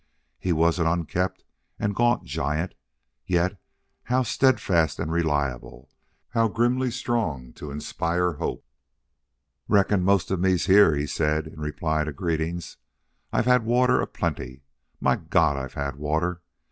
He was an unkempt and gaunt giant, yet how steadfast and reliable, how grimly strong to inspire hope! "Reckon most of me's here," he said in reply to greetings. "I've had water aplenty. My God! I've had WATER!"